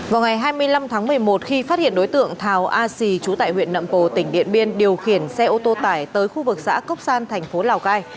vào ngày hai mươi năm tháng một mươi một khi phát hiện đối tượng thảo a xì trú tại huyện nậm pồ tỉnh điện biên điều khiển xe ô tô tải tới khu vực xã cốc san thành phố lào cai